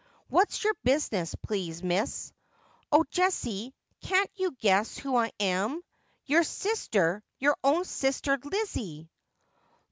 ' "What's your business, please, miss V ' Oh, Jessie, can't you guess who I am? Your kister, your own sister Lizzie